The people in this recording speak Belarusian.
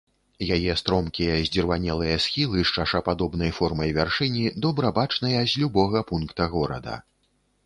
Яе стромкія, здзірванелыя схілы з чашападобнай формай вяршыні добра бачныя з любога пункта горада.